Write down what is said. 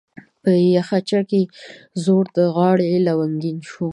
په بخچه کې زوړ د غاړي لونګین شو